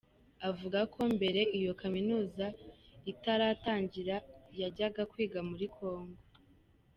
Avuga ko mbere iyo kaminuza itaratangira yajyaga kwiga muri Congo.